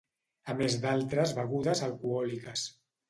A més d'altres begudes alcohòliques.